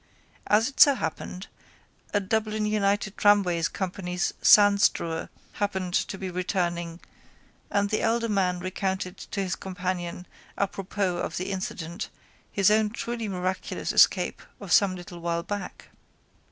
As it so happened a Dublin United Tramways Company's sandstrewer happened to be returning and the elder man recounted to his companion à propos of the incident his own truly miraculous escape of some little while back.